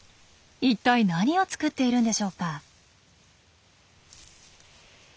一体何を作っているんでしょうか？